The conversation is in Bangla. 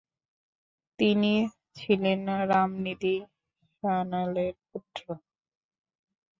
তিনি ছিলেন রামনিধি সান্যালের পুত্র।